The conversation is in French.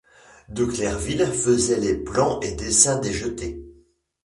De Clerville faisait les plans et dessins des jetées.